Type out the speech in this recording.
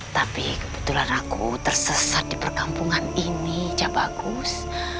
tapi kebetulan aku tersesat di perkampungan ini jabagus